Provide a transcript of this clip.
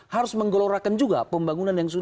harus menggelorkan juga pembangunan yang sukses